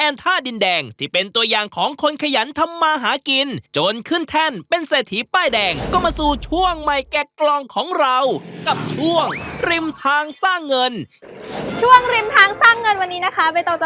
วันนี้ขอบคุณพี่แอนมากขอบคุณค่ะ